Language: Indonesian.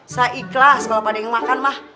saya ikhlas kalau pak dek yang makan mah